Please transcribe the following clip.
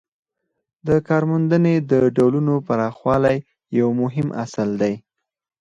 د کارموندنې د ډولونو پراخوالی یو مهم اصل دی.